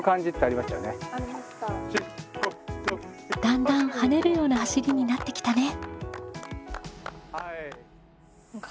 だんだん跳ねるような走りになってきたね。